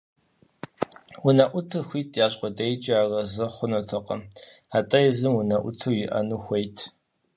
Унэӏутыр хуит ящӏ къудейкӏэ арэзы хъунутэкъым, атӏэ езым унэӏут иӏэну хуейт.